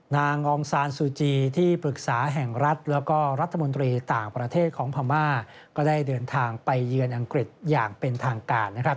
อองซานซูจีที่ปรึกษาแห่งรัฐแล้วก็รัฐมนตรีต่างประเทศของพม่าก็ได้เดินทางไปเยือนอังกฤษอย่างเป็นทางการนะครับ